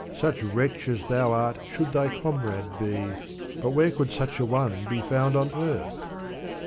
Such wretch as thou art should thy comrade be, But where could such a one be found on earth